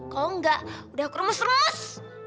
kalo gak udah aku remus remus